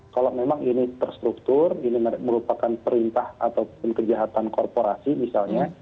kalau memang ini terstruktur ini merupakan perintah ataupun kejahatan korporasi misalnya